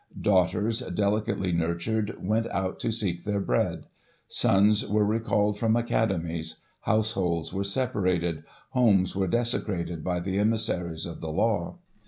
Daughters, delicately nurtured, went out to seek their bread ; sons were recalled from academies ; households were separated, homes were desecrated by the emissaries of the law.